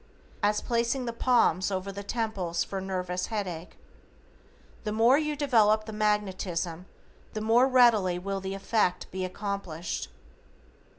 As placing the palms over the temples for nervous headache. The more you develop the magnetism the more readily will the effect be accomplished.